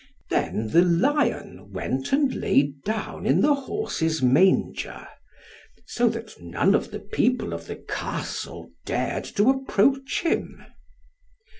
Then the lion went and laid down in the horse's manger; so that none of the people of the Castle dared to approach him.